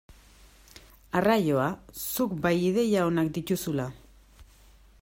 Arraioa, zuk bai ideia onak dituzula!